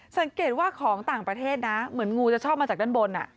สังเกตว่าของต่างประเทศนะเหมือนงูจะชอบมาจากด้านบน